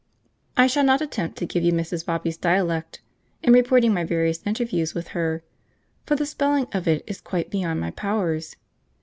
I shall not attempt to give you Mrs. Bobby's dialect in reporting my various interviews with her, for the spelling of it is quite beyond my powers.